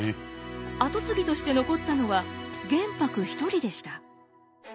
後継ぎとして残ったのは玄白一人でした。